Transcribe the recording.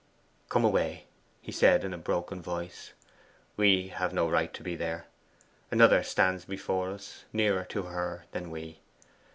'Come away,' he said, in a broken voice. 'We have no right to be there. Another stands before us nearer to her than we!